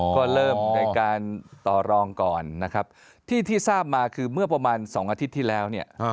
ก็เริ่มในการต่อรองก่อนนะครับที่ที่ทราบมาคือเมื่อประมาณ๒อาทิตย์ที่แล้วเนี่ย